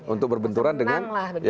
untuk berbenturan dengan